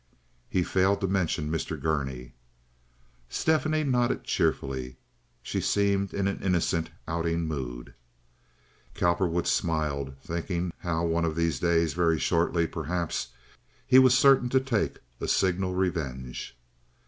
He failed to mention Mr. Gurney. Stephanie nodded cheerfully. She seemed in an innocent outing mood. Cowperwood smiled, thinking how one of these days—very shortly, perhaps—he was certain to take a signal revenge.